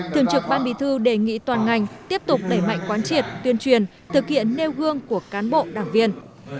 thường trực ban bì thư đề nghị toàn ngành tiếp tục đẩy mạnh quan triệt tuyên truyền thực hiện nêu gương của cán bộ đảng viên